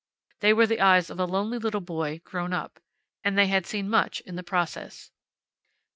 They were the eyes of a lonely little boy grown up. And they had seen much in the process.